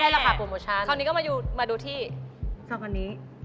อันนี้ไม่ใช่ราคาโปรโมชัน